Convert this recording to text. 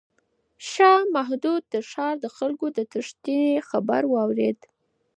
شاه محمود د ښار د خلکو د تیښتې خبر واورېد.